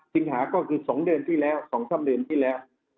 สิงหาก็คือ๒เดือนที่แล้ว๒๓เดือนที่แล้ว